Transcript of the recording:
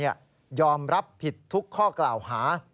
ยอมรับผิดทุกข้อกล่าวหา